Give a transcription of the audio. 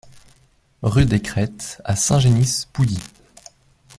Rue des Crêts à Saint-Genis-Pouilly